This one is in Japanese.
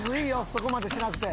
そこまでしなくて。